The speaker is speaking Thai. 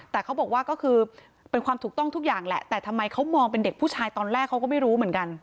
แต่เขาบอกว่าก็คือเป็นความถูกต้องทุกอย่างแหละแต่ทำไมเขามองเป็นเด็กผู้ชายตอนแรกเขาก็ไม่รู้เหมือนกัน